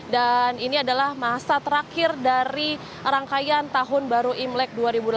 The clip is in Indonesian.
dan ini adalah masa terakhir dari rangkaian tahun baru imlek dua ribu delapan belas